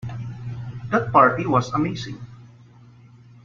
That party was amazing.